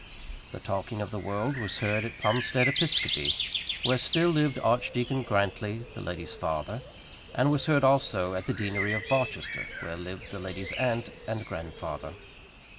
The talking of the world was heard at Plumstead Episcopi, where still lived Archdeacon Grantly, the lady's father; and was heard also at the deanery of Barchester, where lived the lady's aunt and grandfather.